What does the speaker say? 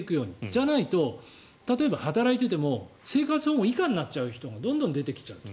じゃないと例えば働いていても生活保護以下になっちゃう人がどんどん出てきちゃうと。